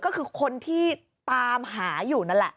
ก็คือคนที่ตามหาอยู่นั่นแหละ